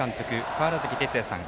川原崎哲也さん。